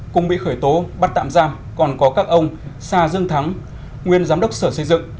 cùng bị khởi tố bắt tạm giam còn có các ông sa dương thắng nguyên giám đốc sở xây dựng